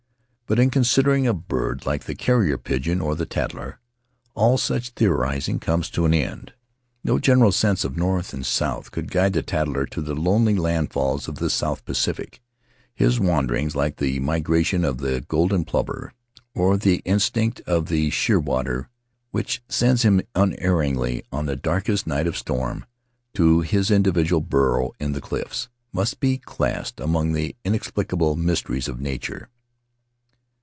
But in considering a bird like the carrier pigeon or the tattler, all such theorizing comes to an end. No general sense of north and south could guide the tattler to the lonely landfalls of the South Pacific; his wanderings — like the migra tion of the golden plover, or the instinct of the shear water, which sends him unerringly, on the darkest night of storm, to his individual burrow in the cliffs — must be classed among the inexplicable mysteries of nature.